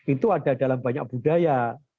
itu ada dalam banyak budaya